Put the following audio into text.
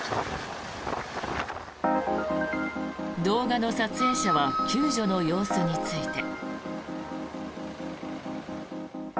動画の撮影者は救助の様子について。